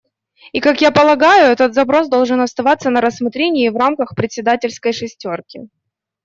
И как я полагаю, этот запрос должен оставаться на рассмотрении в рамках председательской шестерки.